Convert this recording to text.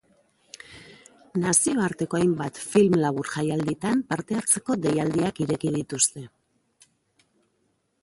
Nazioarteko hainbat film labur jaialditan parte hartzeko deialdiak ireki dituzte.